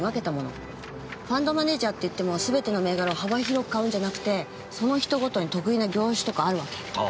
ファンドマネージャーっていってもすべての銘柄を幅広く買うんじゃなくてその人ごとに得意な業種とかあるわけ。